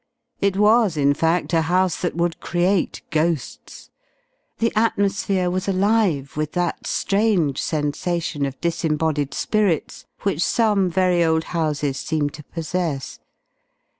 It was, in fact, a house that would create ghosts. The atmosphere was alive with that strange sensation of disembodied spirits which some very old houses seem to possess.